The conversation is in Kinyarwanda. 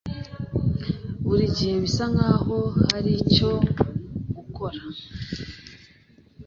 Burigihe bisa nkaho hari icyo gukora.